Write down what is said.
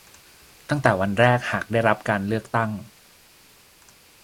ตั้งแต่วันแรกหากได้รับการเลือกตั้ง